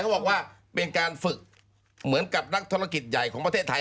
บอกว่าเป็นการฝึกเหมือนกับนักธุรกิจใหญ่ของประเทศไทย